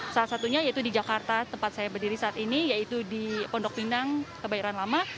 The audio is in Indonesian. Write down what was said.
salah satunya yaitu di jakarta tempat saya berdiri saat ini yaitu di pondok pinang kebayoran lama